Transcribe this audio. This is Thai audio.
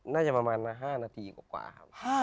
น่าจะประมาณ๕นาทีกว่าครับ